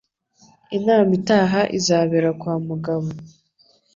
Inama itaha izabera kwa Mugabo.